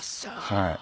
はい。